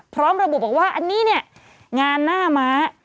พร้อมระบุบอกว่าอันนี้เนี่ยงานหน้าม้า